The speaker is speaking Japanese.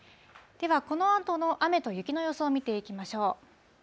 ではこのあとの雨と雪の予想を見ていきましょう。